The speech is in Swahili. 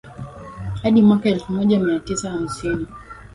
hadi mwaka elfu moja mia tisa hamsini